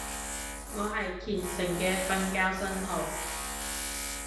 我係虔誠嘅瞓覺信徒